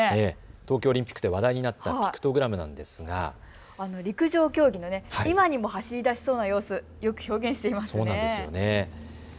東京オリンピックで話題になったピクトグラムなんですが陸上競技の今にも走り出しそうな様子をよく表現していますよね。